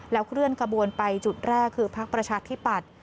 เคลื่อนขบวนไปจุดแรกคือพักประชาธิปัตย์